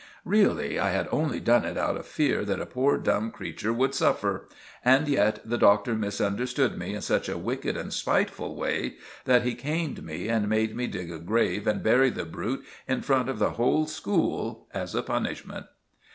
Really I had only done it out of fear that a poor dumb creature would suffer; and yet the Doctor misunderstood me in such a wicked and spiteful way, that he caned me and made me dig a grave and bury the brute in front of the whole school as a punishment.